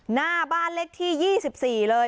หน้าบ้านเลขที่๒๔เลย